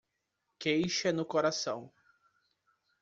Queixa no coração